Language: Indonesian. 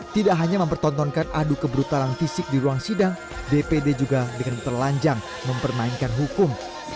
tidak hanya mempertontonkan adu kebrutalan fisik di ruang sidang dpd juga dengan telanjang mempermainkan hukum